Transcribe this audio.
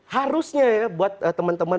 harusnya ya buat teman teman